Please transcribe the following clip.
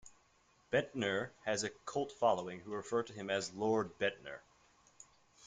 Bendtner has a cult following who refer to him as "Lord Bendtner".